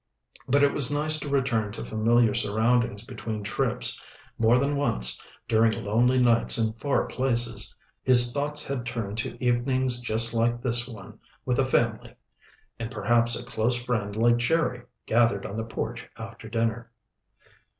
But it was nice to return to familiar surroundings between trips. More than once, during lonely nights in far places, his thoughts had turned to evenings just like this one with the family and perhaps a close friend like Jerry gathered on the porch after dinner.